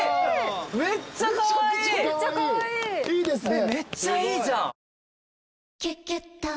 いいですね。